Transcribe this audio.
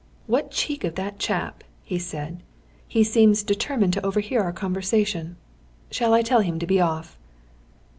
"What cheek of that chap," he said. "He seems determined to overhear our conversation. Shall I tell him to be off?"